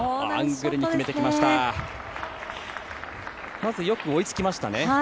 まずよく追いつきましたね。